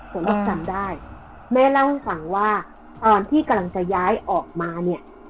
สำหรับจำได้แม่เล่าให้ฟังว่าตอนที่กำลังจะย้ายออกมาเนี่ย